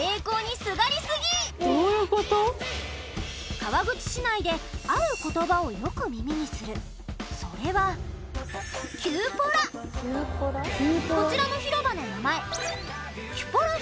川口市内である言葉をよく耳にするそれはこちらの広場の名前